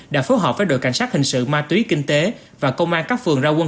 đã phối hợp với đội cảnh sát hình sự ma túy kinh tế và công an các phường ra quân